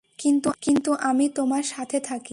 কিন্তু আমি তোমার সাথে থাকি।